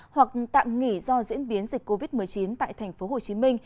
hoặc tạm nghỉ do diễn biến dịch covid một mươi chín tại tp hcm